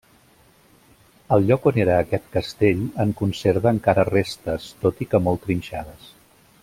El lloc on era aquest castell en conserva encara restes, tot i que molt trinxades.